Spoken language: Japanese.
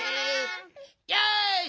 よし！